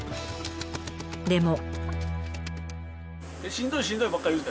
でも。